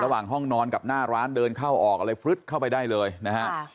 ระหว่างห้องนอนกับหน้าร้านเดินเข้าออกอะไรฟึ๊ดเข้าไปได้เลยนะฮะ